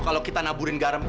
kalau kita naburin garam